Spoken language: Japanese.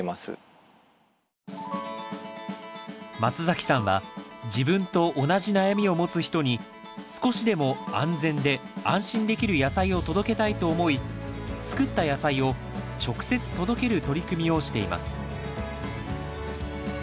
松崎さんは自分と同じ悩みを持つ人に少しでも安全で安心できる野菜を届けたいと思い作った野菜を直接届ける取り組みをしています